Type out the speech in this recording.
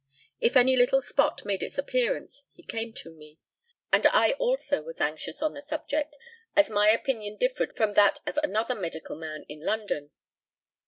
If any little spot made its appearance he came to me, and I also was anxious on the subject, as my opinion differed from that of another medical man in London.